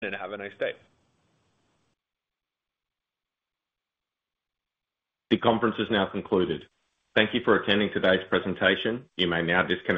Have a nice day. The conference is now concluded. Thank you for attending today's presentation. You may now disconnect.